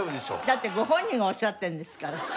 だってご本人がおっしゃってるんですから。